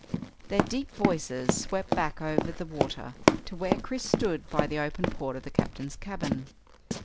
Their deep voices swept back over the water to where Chris stood by the open port of the Captain's cabin.